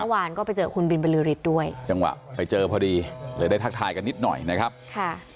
เมื่อวานก็ไปเจอคุณบินบรือฤทธิ์ด้วยจังหวะไปเจอพอดีเลยได้ทักทายกันนิดหน่อยนะครับค่ะ